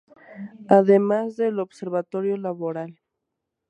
Además del Observatorio Laboral.